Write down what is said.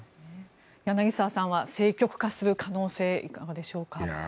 柳澤さんは政局化する可能性はどうでしょうか？